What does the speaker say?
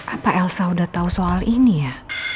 apa elsa udah tahu soal ini ya